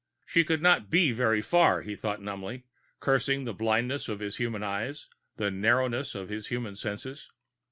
She could not be very far, he thought numbly, cursing the blindness of his human eyes, the narrowness of his human senses.